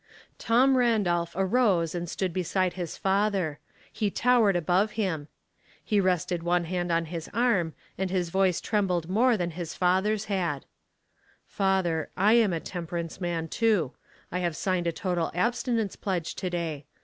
Tom Randolph arose and stood beside} his father ; he towered above him ; he rested one hand on his arm, and his voice trembled more than his father's had. Laces and huty, 337 "Father, J am a temperance man, too. I have signed a total abstinence pledge to day.